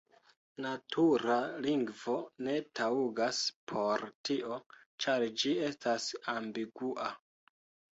Natura lingvo ne taŭgas por tio, ĉar ĝi estas ambigua.